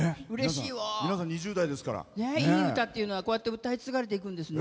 いい歌っていうのは歌い継がれていくんですね。